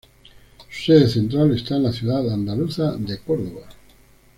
Su sede central está en la ciudad andaluza de Córdoba.